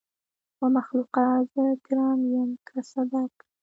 ومخلوقه! زه ګرم يم که صدک.